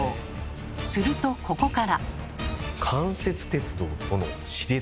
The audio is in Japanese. するとここから。